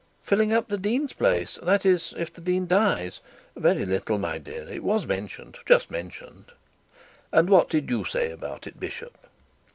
'Filling up the dean's place; that is, if the dean dies? very little, my dear. It was mentioned, just mentioned.' 'And what did you say about it, bishop?'